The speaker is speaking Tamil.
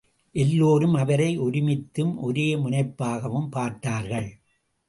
எல்லோரும், அவரை ஒருமித்தும், ஒரே முனைப்பாகவும் பார்த்தார்கள்.